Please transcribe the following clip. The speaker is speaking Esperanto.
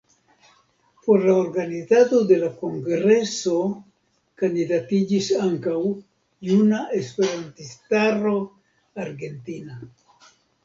Por la organizado de la kongreso kandidatiĝis ankaŭ Juna Esperantistaro Argentina.